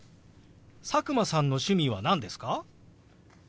佐久間さんの趣味は何ですか？